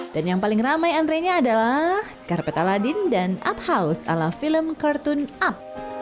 dan yang paling ramai antrenya adalah karpet aladin dan up house ala film kartun up